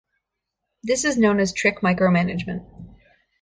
This is known as trick micromanagement.